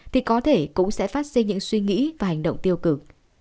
thì có thể cũng sẽ phát sinh những suy nghĩ và hành động tiêu cực